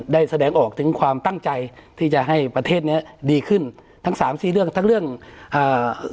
ได้แสดงออกถึงความตั้งใจที่จะให้ประเทศเนี้ยดีขึ้นทั้งสามสี่เรื่องทั้งเรื่องอ่า